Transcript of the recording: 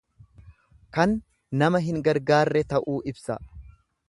Kan nama hin gargaarre ta'uu ibsa.